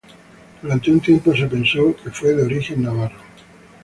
Durante un tiempo se pensó que fue de origen navarro.